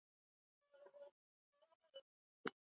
viazilishe vinaweza kuvunwa kwa mutmia jembe